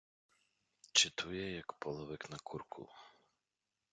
Чїтує, як половик на курку.